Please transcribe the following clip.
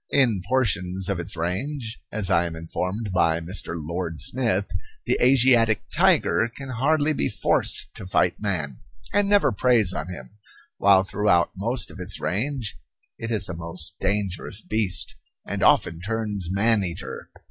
In portions of its range, as I am informed by Mr. Lord Smith, the Asiatic tiger can hardly be forced to fight man, and never preys on him, while throughout most of its range it is a most dangerous beast, and often turns man eater.